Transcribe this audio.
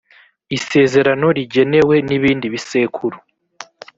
isezerano rigenewe n’ibindi bisekuru